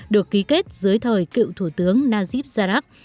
được ký kết dưới thời cựu thủ tướng najib zarrak